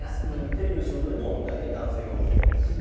テレビの仕事でも大体男性が多いですし。